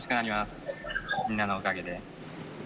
みんなのおかげで。